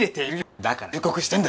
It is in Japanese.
だから忠告してんだ。